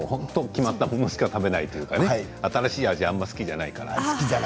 決まったものしか食べないというか新しい味はあまり好きじゃないから。